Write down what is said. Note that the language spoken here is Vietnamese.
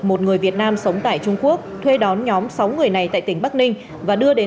một người việt nam sống tại trung quốc thuê đón nhóm sáu người này tại tỉnh bắc ninh và đưa đến